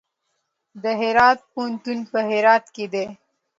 د هرات پوهنتون په هرات کې دی